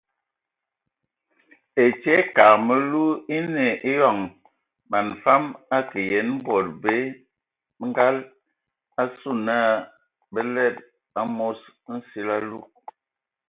Ɛtie ekag məlu eine eyɔŋ man fam akə yen bod bə ngal asu na bə lede amos nsili alug.